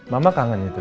mama kangen gitu